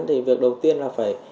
thì việc đầu tiên là phải